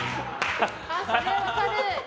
分かる！